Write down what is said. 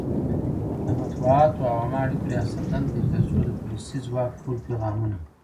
د مطبوعاتو او عامه اړیکو ریاست دنده لري ترڅو د پولیسي ځواک ټول پیغامونه